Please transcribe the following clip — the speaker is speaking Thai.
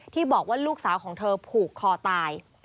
ที่บอกว่าลูกสาวของเธอผูกคอตาย